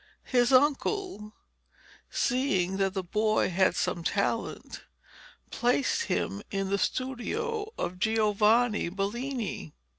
His uncle, seeing that the boy had some talent, placed him in the studio of Giovanni Bellini.